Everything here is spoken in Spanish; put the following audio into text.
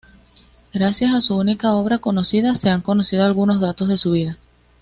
Gracias a su única obra conocida, se han conocido algunos datos de su vida.